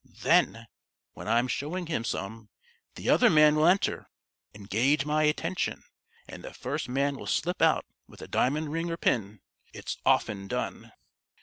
Then, when I'm showing him some, the other man will enter, engage my attention, and the first man will slip out with a diamond ring or pin. It's often done."